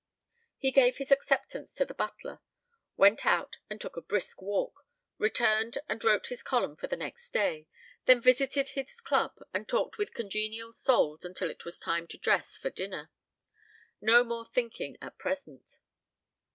He gave his acceptance to the butler, went out and took a brisk walk, returned and wrote his column for the next day, then visited his club and talked with congenial souls until it was time to dress for dinner. No more thinking at present.